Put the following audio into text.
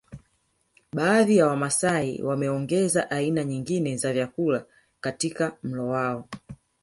Baadhi ya wamasai wameongeza aina nyingine za vyakula katika mlo wao